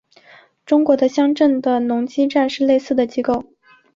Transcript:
中国乡镇的农机站是类似的机构。